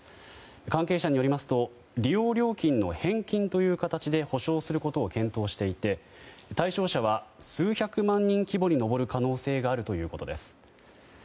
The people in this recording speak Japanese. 関係者によりますと利用料金の返金という形で補償することを検討していて対象者は数百万人規模に上る可能性があるということです。